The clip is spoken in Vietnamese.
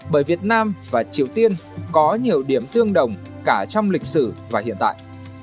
bởi việt nam và triều tiên có nhiều điểm tương đồng cả trong lịch sử và hiện tại